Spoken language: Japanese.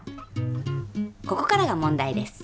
ここからが問題です。